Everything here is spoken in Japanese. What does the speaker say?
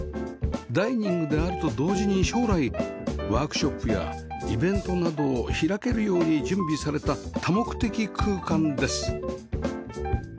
ダイニングであると同時に将来ワークショップやイベントなどを開けるように準備された多目的空間です